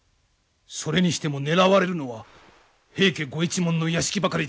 それにしても狙われるのは平家ご一門の屋敷ばかりでございます。